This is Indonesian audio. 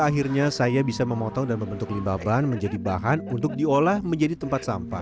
akhirnya saya bisa memotong dan membentuk limbah ban menjadi bahan untuk diolah menjadi tempat sampah